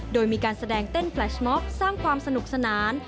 โดยมีการแสดงเต้นแลชม็อปสร้างความสนุกสนาน